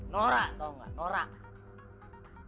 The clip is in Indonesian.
norak tau gak norak